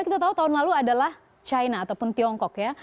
kita tahu tahun lalu adalah china ataupun tiongkok ya